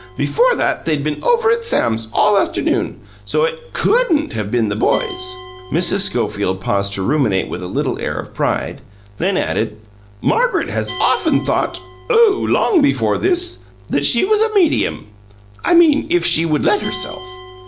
Before that, they'd been over at Sam's all afternoon. So, it COULDN'T have been the boys." Mrs. Schofield paused to ruminate with a little air of pride; then added: "Margaret has often thought oh, long before this! that she was a medium. I mean if she would let her self.